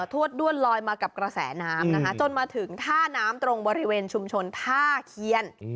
วดด้วนลอยมากับกระแสน้ำนะคะจนมาถึงท่าน้ำตรงบริเวณชุมชนท่าเคียน